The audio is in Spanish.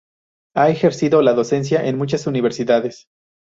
Ha ejercido la docencia en muchas universidades.